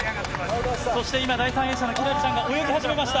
そして今、第３泳者の輝星ちゃんが泳ぎ始めました。